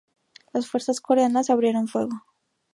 Las fuerzas coreanas abrieron fuego.